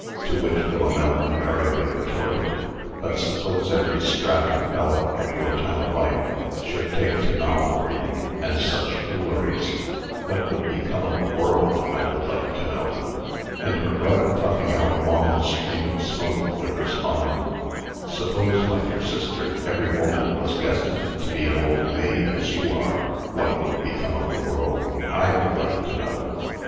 To which Philomela invariably retorted: "But suppose every strapping fellow, at your time of life, should take to novel reading, and such fooleries, what would become of the world, I would like to know?" And her brother, puffing out a long stream of smoke, would respond: "Suppose, my dear sister, every woman was destined to be an old maid, as you are, what would become of the world, I would like to know?"